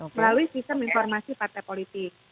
melalui sistem informasi partai politik